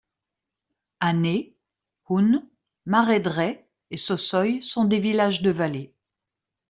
Anhée, Hun, Maredret et Sosoye sont des villages de vallée.